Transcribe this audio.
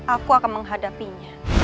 aku akan menghadapinya